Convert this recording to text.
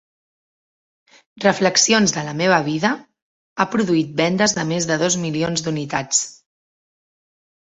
"Reflexions de la meva vida" ha produït vendes de més de dos milions d'unitats.